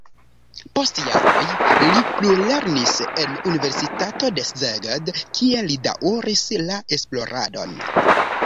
Post jaroj li plulernis en universitato de Szeged, kie li daŭris la esploradon.